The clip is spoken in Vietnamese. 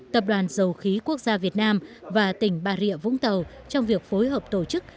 tập đoàn dầu khí quốc gia việt nam và tỉnh bà rịa vũng tàu trong việc phối hợp tổ chức